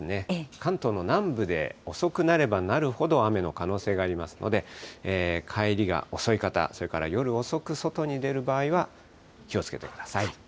関東の南部で遅くなればなるほど、雨の可能性がありますので、帰りが遅い方、それから夜遅く外に出る場合は、気をつけてください。